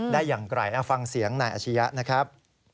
ได้อย่างไกลฟังเสียงนายอาชียะนะครับ